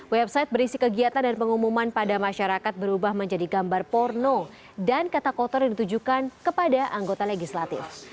website berisi kegiatan dan pengumuman pada masyarakat berubah menjadi gambar porno dan kata kotor yang ditujukan kepada anggota legislatif